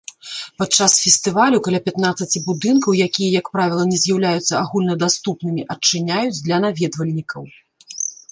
Падчас фестывалю каля пятнаццаці будынкаў, якія як правіла не з'яўляюцца агульнадаступнымі, адчыняюць для наведвальнікаў.